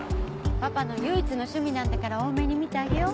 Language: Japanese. パパの唯一の趣味なんだから大目に見てあげよう。